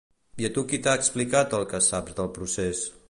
I a tu qui t’ha explicat el que saps del procés?